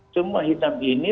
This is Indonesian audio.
semua hitam ini